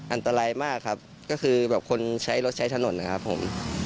อันตรายมากครับก็คือแบบคนใช้รถใช้ถนนนะครับผม